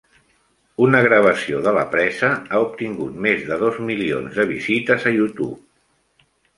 Una gravació de la presa ha obtingut més de dos milions de visites a YouTube.